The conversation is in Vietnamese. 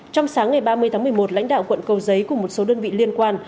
trong sáng ngày ba mươi tháng một mươi một lãnh đạo quận cầu giấy cùng một số đơn vị liên quan